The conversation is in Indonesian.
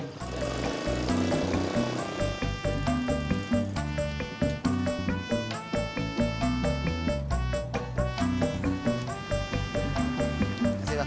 terima kasih bang